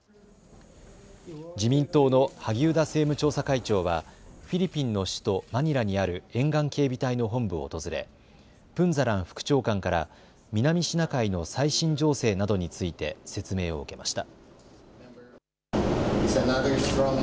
自民党の萩生田政務調査会長はフィリピンの首都マニラにある沿岸警備隊の本部を訪れプンザラン副長官から南シナ海の最新情勢などについて説明を受けました。